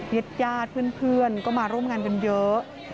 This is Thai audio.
เย็ดเพื่อนก็มาร่วมงานกันเยอะ